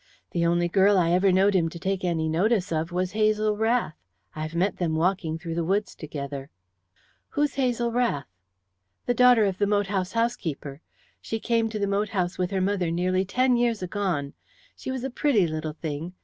The only girl I ever knowed him to take any notice of was Hazel Rath. I have met them walking through the woods together." "Who is Hazel Rath?" "The daughter of the moat house housekeeper. She came to the moat house with her mother nearly ten years agone. She was a pretty little thing.